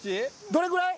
どれぐらい？